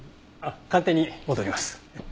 あっ鑑定に戻ります。